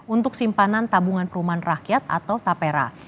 untuk simpanan tabungan perumahan rakyat atau tapera